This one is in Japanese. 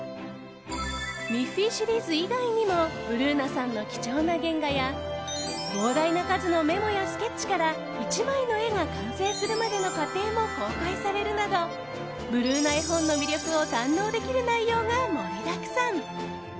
「ミッフィー」シリーズ以外にもブルーナさんの貴重な原画や膨大な数のメモやスケッチから１枚の絵が完成するまでの過程も公開されるなどブルーナ絵本の魅力を堪能できる内容が盛りだくさん。